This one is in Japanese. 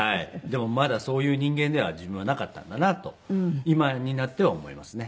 でもまだそういう人間では自分はなかったんだなと今になっては思いますね。